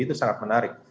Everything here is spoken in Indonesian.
itu sangat menarik